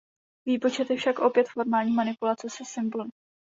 Výpočet je však opět formální manipulace se symboly.